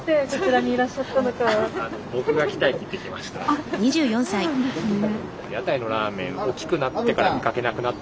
あっそうなんですね。